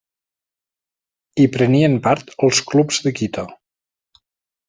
Hi prenien part els clubs de Quito.